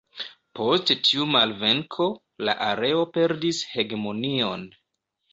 Post tiu malvenko la areo perdis hegemonion.